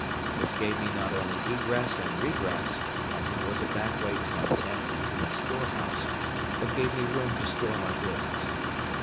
This gave me not only egress and regress, as it was a back way to my tent and to my storehouse, but gave me room to store my goods.